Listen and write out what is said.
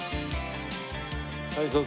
はいどうぞ。